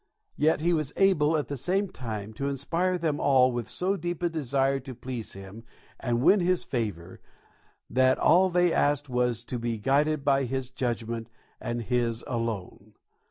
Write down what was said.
And yet he was able, at the same time, to inspire them all with so deep a desire to please him and win his favour that all they asked was to be guided by his judgment and his alone.